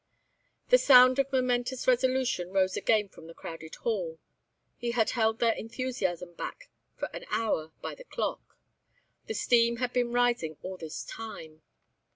The sound of momentous resolution rose again from the crowded hall. He had held their enthusiasm back for an hour by the clock. The steam had been rising all this time.